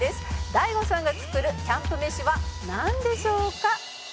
「大悟さんが作るキャンプ飯はなんでしょうか？」